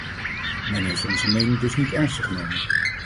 Men heeft onze mening dus niet ernstig genomen.